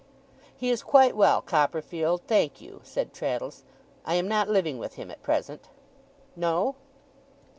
'He is quite well, Copperfield, thank you,' said Traddles. 'I am not living with him at present.' 'No?